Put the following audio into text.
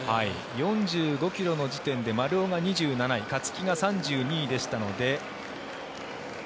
４５ｋｍの時点で丸尾が２７位勝木が３２位でしたので。